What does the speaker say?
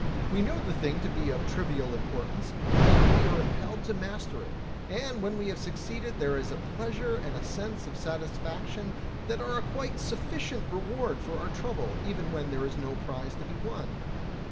We know the thing to be of trivial importance, yet we are impelled to master it, and when we have succeeded there is a pleasure and a sense of satisfaction that are a quite sufficient reward for our trouble, even when there is no prize to be won.